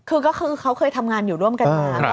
คือก็คือเขาเคยทำงานอยู่ร่วมกันมา